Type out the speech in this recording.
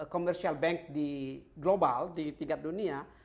commercial bank di global di tingkat dunia